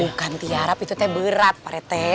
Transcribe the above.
bukan tiarap itu teh berat pak rete